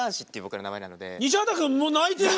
西畑くんもう泣いてる。